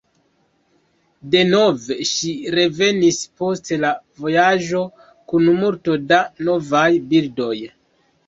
Denove ŝi revenis post la vojaĝo kun multo da novaj bildoj.